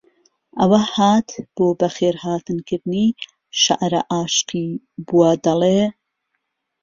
ئهوه هات بۆ به خێرهاتن کردنی شەعره ئاشقی بووه دهڵێ